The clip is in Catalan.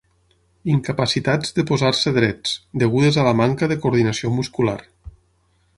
Incapacitats de posar-se drets, degudes a la manca de coordinació muscular.